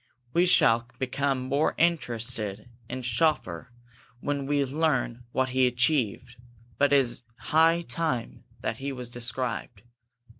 We shall become more interested in Schoeffer when we learn what he achieved; but it is high time he was described.